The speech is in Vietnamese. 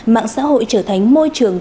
mạng xã hội trở thành môi trường